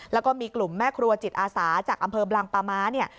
แล้วก็มีกลุ่มแม่ครัวจิตอาสาจากอำเภอบางปาม้าเนี่ย